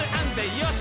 「よし！」